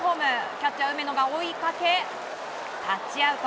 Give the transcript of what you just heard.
キャッチャー梅野が追いかけタッチアウト。